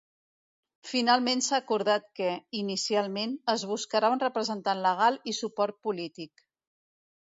Finalment s’ha acordat que, inicialment, es buscarà un representant legal i suport polític.